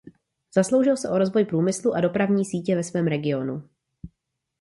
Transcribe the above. Zasloužil se o rozvoj průmyslu a dopravní sítě ve svém regionu.